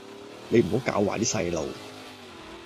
你唔好教壞啲細路